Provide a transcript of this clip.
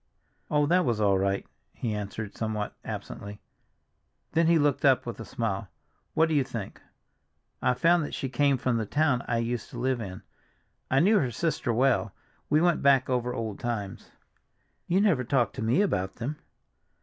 "Oh, that was all right!" he answered somewhat absently. Then he looked up with a smile. "What do you think? I found that she came from the town I used to live in. I knew her sister well. We went back over old times." "You never talk to me about them."